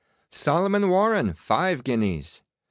Solomon Warren, five guineas.